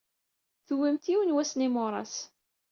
Tuwyemt yiwen wass n yimuras.